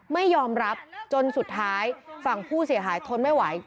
ไม่ยอมรับจนสุดท้ายฝั่งผู้เสียหายทนไม่ไหว